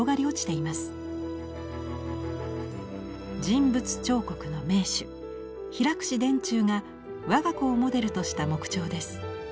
人物彫刻の名手平田中が我が子をモデルとした木彫です。